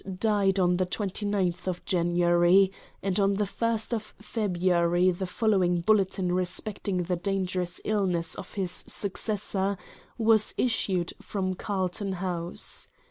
died on the 29th January; and on the 1st February the following bulletin respecting the dangerous illness of his successor was issued from Carlton House.